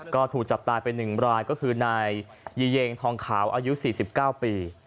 ก็ถูกจับตายไป๑รายก็คือนายยีเยงทองขาวอายุ๔๙ปี